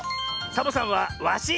サボさんはワシ！